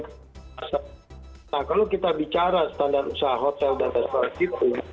nah kalau kita bicara standar usaha hotel dan restoran itu